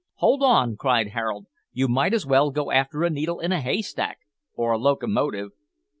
"Hold on," cried Harold; "you might as well go after a needle in a haystack, or a locomotive."